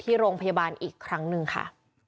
ที่โรงพยาบาลอีกครั้งหนึ่งค่ะ